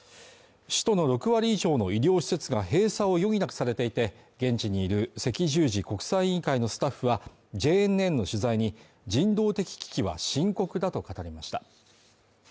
首都の６割以上の医療施設が閉鎖を余儀なくされていて、現地にいる赤十字国際委員会のスタッフはＪＮＮの取材に、人道的危機は深刻だと語りました。